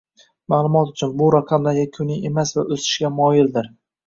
Ma'lumot uchun, bu raqamlar yakuniy emas va o'sishga moyildir